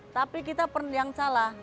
tapi kita yang salah